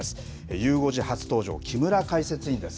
ゆう５時初登場、木村解説委員です。